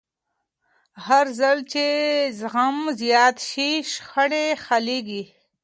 هرځل چې زغم زیات شي، شخړې حل کېږي.